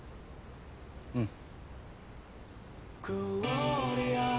うん。